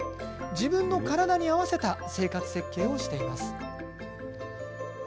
自分の体に合わせた生活設計をしています。